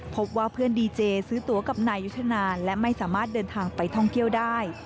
พบว่าเพื่อนดีเจซื้อตัวกับนายยุทธนาและไม่สามารถเดินทางไปท่องเที่ยวได้